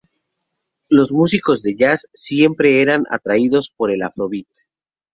Los músicos de jazz siempre eran atraídos por el afrobeat.